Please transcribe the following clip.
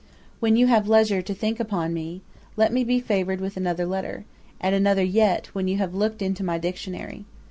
'When you have leisure to think again upon me, let me be favoured with another letter; and another yet, when you have looked into my Dictionary.